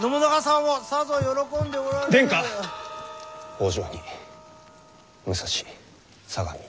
北条に武蔵相模